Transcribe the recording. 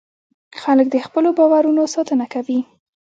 خلک د خپلو باورونو ساتنه کوي.